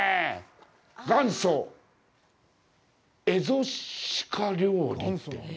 元祖エゾシカ料理って。